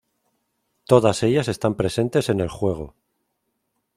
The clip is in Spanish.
Todas ellas están presentes en el juego.